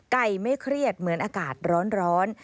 ไม่เครียดเหมือนอากาศร้อน